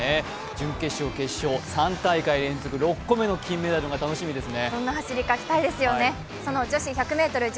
準決勝、決勝３大会連続６個目の金メダルが楽しみですね。